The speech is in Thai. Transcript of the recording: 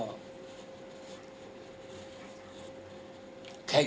แค่อย่างนี้อีกครึ่ง